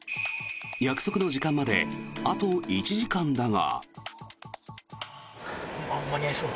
約束の時間まであと１時間だが。